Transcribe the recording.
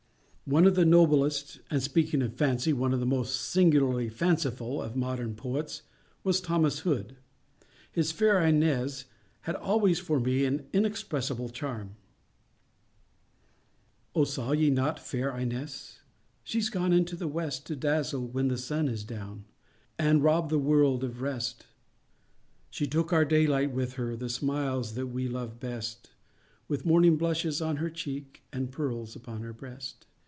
One of the noblest—and, speaking of Fancy—one of the most singularly fanciful of modern poets, was Thomas Hood. His "Fair Ines" had always for me an inexpressible charm:— O saw ye not fair Ines? She's gone into the West, To dazzle when the sun is down, And rob the world of rest; She took our daylight with her, The smiles that we love best, With morning blushes on her cheek, And pearls upon her breast.